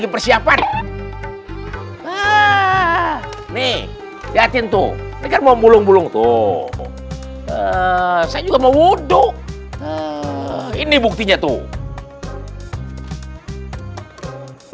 persiapan nih lihatin tuh ikan mau bulung bulung tuh saya juga mau wuduk ini buktinya tuh